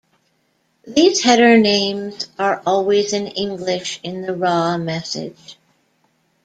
These header names are always in English in the raw message.